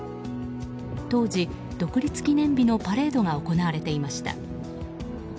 当時、独立記念日のパレードが行われていました。